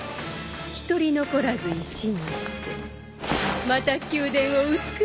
一人残らず石にしてまた宮殿を美しく飾らなきゃ。